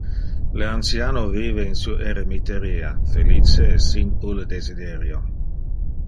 Le anciano vive in su eremiteria, felice e sin ulle desiderio.